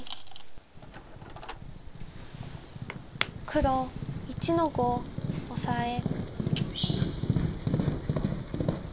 黒１の五オサエ。